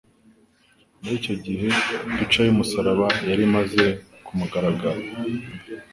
Muri icyo gihe ipica y'umusaraba yari imaze kumugaragarira;